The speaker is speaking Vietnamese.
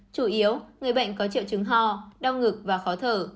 chủ yếu người bệnh có triệu chứng ho đau ngực và khó thở